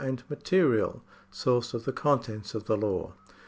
\Material — source of the contents of the law.